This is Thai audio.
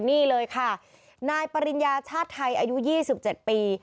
นี่เลยค่ะนายปริญญาชาติไทยอายุ๒๗ปี